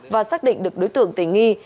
và xác định được đối tượng tỉnh nghi